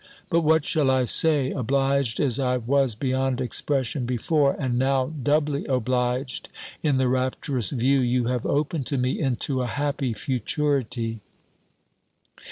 But what shall I say, obliged as I was beyond expression before, and now doubly obliged in the rapturous view you have opened to me, into a happy futurity!"